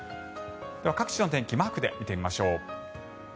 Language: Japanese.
各地の天気マークで見てみましょう。